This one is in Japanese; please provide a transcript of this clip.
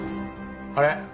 あれ？